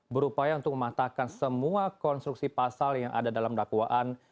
berupaya untuk mematahkan semua konstruksi pasal yang ada dalam dakwaan